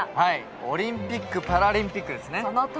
オリンピック・パラリンピックですね。